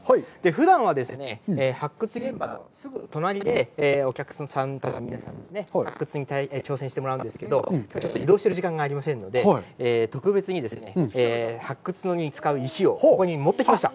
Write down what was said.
ふだんはですね、発掘現場のすぐ隣でお客さんの皆さんに発掘に挑戦してもらうんですけど、ちょっと移動してる時間がありませんので、特別に、発掘に使う石をここに持ってきました。